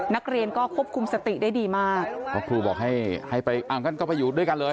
นักเรียนก็ควบคุมสติได้ดีมากเพราะครูบอกให้ให้ไปอ้าวงั้นก็ไปอยู่ด้วยกันเลย